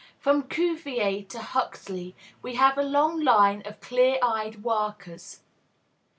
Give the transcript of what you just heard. From Cuvier to Huxley, we have a long line of clear eyed workers.